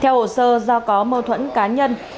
theo hộ sơ do có mâu thuẫn cá nhân